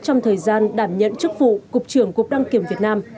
trong thời gian đảm nhận chức vụ cục trưởng cục đăng kiểm việt nam